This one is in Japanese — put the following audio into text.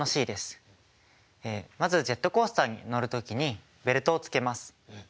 まずジェットコースターに乗る時にベルトをつけます。